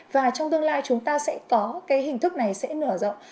và trong tương lai chúng ta sẽ có cái hình thức này sẽ nở rộng